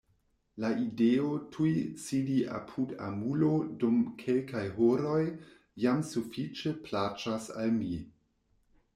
La ideo tuj sidi apud amulo dum kelkaj horoj jam sufiĉe plaĉas al mi.